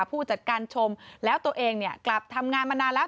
ผู้จัดการชมแล้วตัวเองเนี่ยกลับทำงานมานานแล้ว